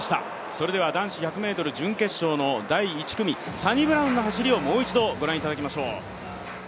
それでは男子１００ｍ準決勝の第１組、サニブラウンの走りをもう一度ご覧いただきましょう。